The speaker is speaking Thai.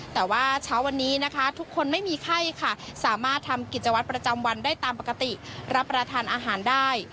แต่ว่าเช้าวันนี้นะคะทุกคนไม่มีไข้ค่ะสามารถทำกิจวัตรประจำวันได้ตามปกติรับประทานอาหารได้